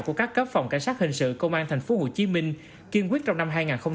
của các cấp phòng cảnh sát hình sự công an tp hcm kiên quyết trong năm hai nghìn hai mươi ba